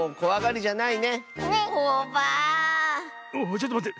ちょっとまって。